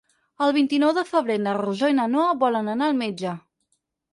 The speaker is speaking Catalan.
El vint-i-nou de febrer na Rosó i na Noa volen anar al metge.